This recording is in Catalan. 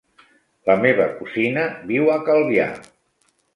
La meva cosina viu a Calvià.